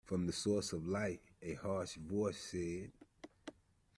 From the source of light a harsh voice said.